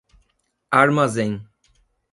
Armazém